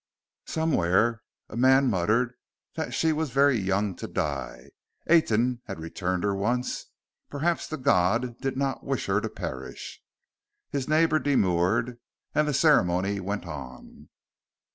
Somewhere a man muttered that she was very young to die. Aten had returned her once: perhaps the God did not wish her to perish.... His neighbor demurred. And the ceremony went on.